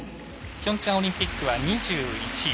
ピョンチャンオリンピックは２１位。